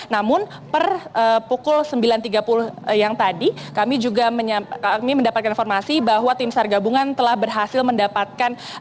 namun per pukul sembilan tiga puluh yang tadi kami juga kami mendapatkan informasi bahwa tim sar gabungan telah berhasil mendapatkan